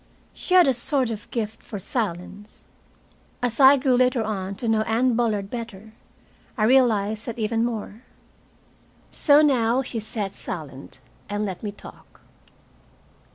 She had a sort of gift for silence. As I grew later on to know Anne Bullard better, I realized that even more. So now she sat silent, and let me talk.